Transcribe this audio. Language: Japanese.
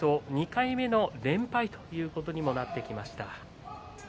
２回目の連敗ということにもなってきました。